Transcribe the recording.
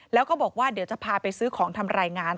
แล้วก็บอกว่าเดี๋ยวจะพาไปซื้อของทำรายงาน